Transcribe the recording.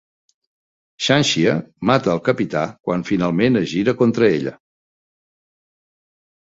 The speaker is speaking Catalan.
Xanxia mata al Capità quan finalment es gira contra ella.